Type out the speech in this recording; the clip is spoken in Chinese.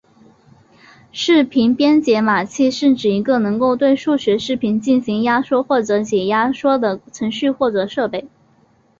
视频编解码器是指一个能够对数字视频进行压缩或者解压缩的程序或者设备。